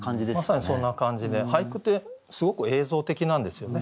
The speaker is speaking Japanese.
まさにそんな感じで俳句ってすごく映像的なんですよね。